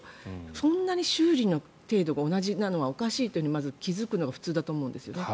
そんなに修理の程度が同じなのはおかしいとまず、気付くのが普通だと思うんですよね。